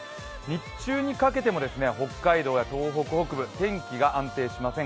日中にかけても北海道、東北北部、天気が安定しません。